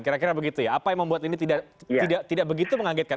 kira kira begitu ya apa yang membuat ini tidak begitu mengagetkan